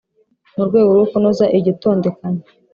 mu rwego rwo kunoza iryo tondekanya,